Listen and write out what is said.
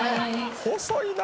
細いな！